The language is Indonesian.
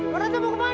ron ratu mau kemana